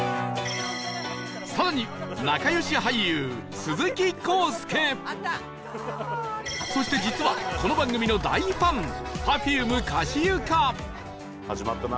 更にそして実はこの番組の大ファン Ｐｅｒｆｕｍｅ かしゆか始まったな。